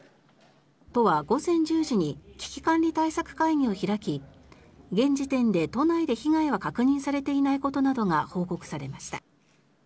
都は午前１０時に危機管理対策会議を開き現時点で都内で被害は確認されていないことなどが報告されました。